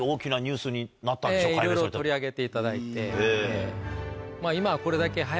いろいろ取り上げていただいて。